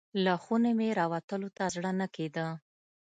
له خونې مې راوتلو ته زړه نه کیده.